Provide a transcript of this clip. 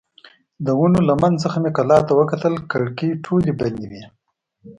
د ونو له منځ څخه مې کلا ته وکتل، کړکۍ ټولې بندې وې.